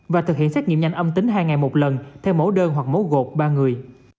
và thực hiện xét nghiệm nhanh âm tính hai ngày một lần theo mẫu đơn hoặc mẫu gột ba người